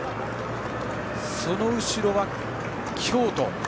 その後ろ、京都。